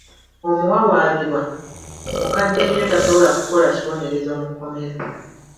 Omuwawaabirwa mukadde nnyo tasobola kukola kibonerezo mu kkomera.